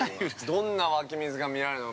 ◆どんな湧き水が見られるのか。